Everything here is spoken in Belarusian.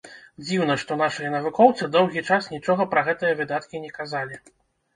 Дзіўна, што нашыя навукоўцы доўгі час нічога пра гэтыя выдаткі не казалі.